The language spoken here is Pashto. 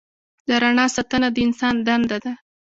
د رڼا ساتنه د انسان دنده ده.